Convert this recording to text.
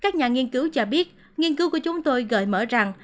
các nhà nghiên cứu cho biết nghiên cứu của chúng tôi gợi mở rằng